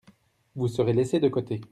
Vous serez laissés de côté.